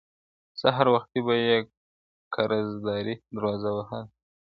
سحر وختي بۀ يى قرضداري دروازه وهله,